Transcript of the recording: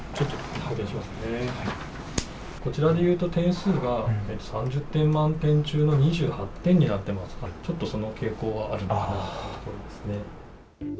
こちらで言うと点数が３０点満点中の２８点になってまして、ちょっとその傾向はあるのかなというところですね。